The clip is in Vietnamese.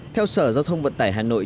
theo sở giao thông vận tải hà nội